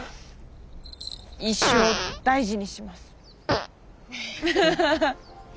一生大事にします。